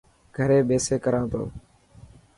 گهري ٻيسي ڪران تو.